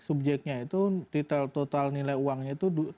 subjeknya itu total nilai uangnya itu